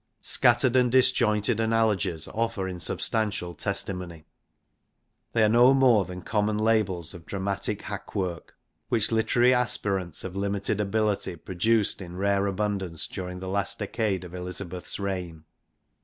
Scattered and disjointed analogies offer insubstantial testimony. They are no more than common labels of dramatic hack xx INTRODUCTION work, which literary aspirants of limited ability produced in rare abundance during the last decade of Elizabeth's reign.